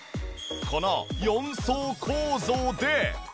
この４層構造で。